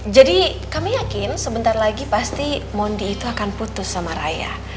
jadi kami yakin sebentar lagi pasti mondi itu akan putus sama raya